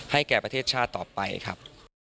แก่ประเทศชาติต่อไปครับ